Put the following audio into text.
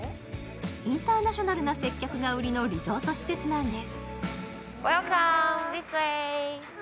インターナショナルな接客が売りのリゾート施設なんです。